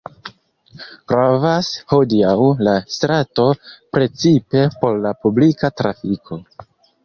Gravas hodiaŭ la strato precipe por la publika trafiko.